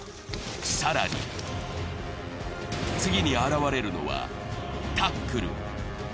更に、次に現れるのはタックル。